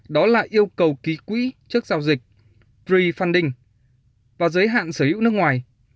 đó là yêu cầu ký quỹ trước giao dịch pre funding và giới hạn sở hữu nước ngoài